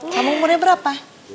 kamu umurnya berapa